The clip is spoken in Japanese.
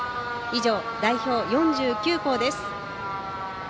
以上、代表４９校です。